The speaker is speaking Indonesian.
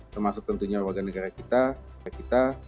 termasuk tentunya warga negara kita